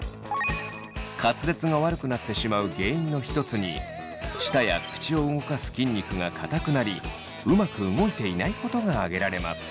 滑舌が悪くなってしまう原因の一つに舌や口を動かす筋肉が硬くなりうまく動いていないことが挙げられます。